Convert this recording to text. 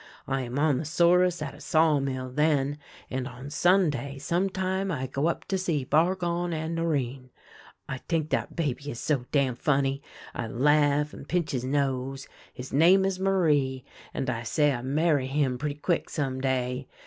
I am on the Souris at a sawmill then, and on Sunday sometime I go up to see Bargon and Norinne. I t'ink that baby is so damn funny ; I laugh and pinch his nose ; his name is Marie, and I say I marry him pretty quick some day.